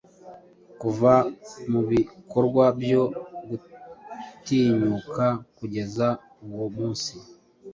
Kuva mubikorwa byo gutinyuka kugeza uwo munsi